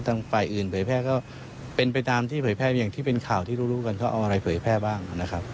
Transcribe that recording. ฝ่ายอื่นเผยแพร่ก็เป็นไปตามที่เผยแพร่อย่างที่เป็นข่าวที่รู้รู้กันเขาเอาอะไรเผยแพร่บ้างนะครับ